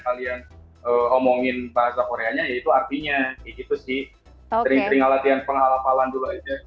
kalian omongin bahasa koreanya itu artinya itu sih sering sering latihan pengalapalan dulu aja